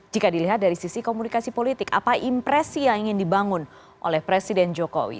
jika dilihat dari sisi komunikasi politik apa impresi yang ingin dibangun oleh presiden jokowi